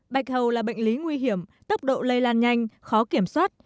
bạch hầu là bệnh lý nguy hiểm tốc độ lây lan nhanh khó kiểm soát